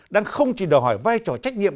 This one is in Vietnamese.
đang không chỉ đòi hỏi vai trò trách nhiệm